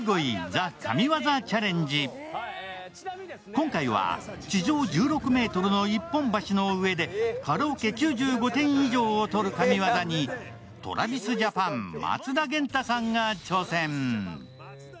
今回は地上１６ｍの一本橋の上でカラオケ９５点以上を取る神業にＴｒａｖｉｓＪａｐａｎ・松田元太さんが挑戦。